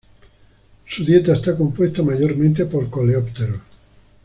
Su dieta está compuesta mayormente por coleópteros.